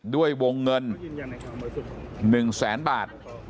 ด้วยวงเงิน๑๐๐๐๐๐บาท